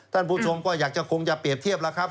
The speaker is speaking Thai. ท่านผู้ชมก็อยากจะคงจะเปรียบเทียบแล้วครับ